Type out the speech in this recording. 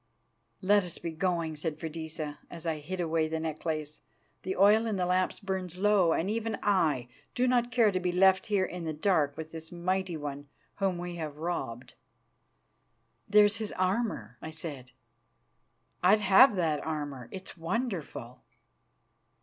"Let us be going," said Freydisa, as I hid away the necklace. "The oil in the lamps burns low, and even I do not care to be left here in the dark with this mighty one whom we have robbed." "There's his armour," I said. "I'd have that armour; it is wonderful."